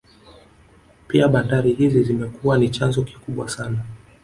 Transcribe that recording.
Pia bandari hizi zimekuwa ni chanzo kikubwa sana